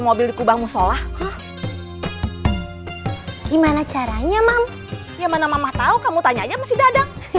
mobil di kubah musola gimana caranya mam ya mana mama tahu kamu tanyanya masih dadang